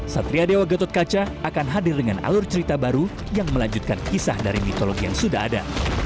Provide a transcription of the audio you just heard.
satria dewa gatot kaca akan hadir dengan alur cerita baru yang melanjutkan kisah dari mitologi yang sudah ada